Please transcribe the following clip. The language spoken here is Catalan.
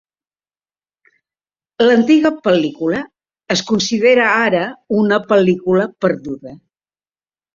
L'antiga pel·lícula es considera ara una pel·lícula perduda.